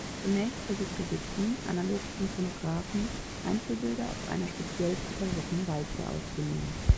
Zunächst versuchte Dickson, analog zum Phonographen, Einzelbilder auf einer speziell präparierten Walze aufzunehmen.